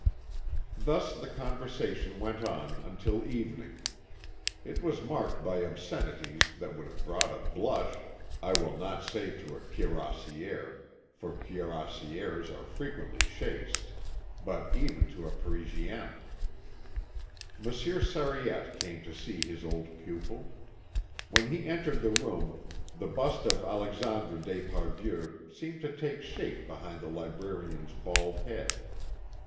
Thus the conversation went on until evening; it was marked by obscenities that would have brought a blush I will not say to a cuirassier, for cuirassiers are frequently chaste, but even to a Parisienne. Monsieur Sariette came to see his old pupil. When he entered the room the bust of Alexandre d'Esparvieu seemed to take shape behind the librarian's bald head.